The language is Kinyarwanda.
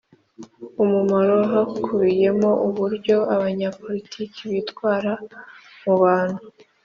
Umumaro hakubiyemo uburyo abanyapolitiki bitwara mubantu